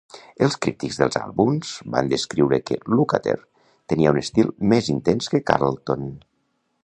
Els crítics dels àlbums van descriure que Lukather tenia un estil més intens que Carlton.